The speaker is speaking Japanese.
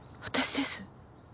私です。